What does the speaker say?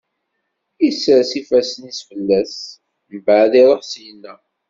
Isers ifassen-is fell-asen, mbeɛd iṛuḥ syenna.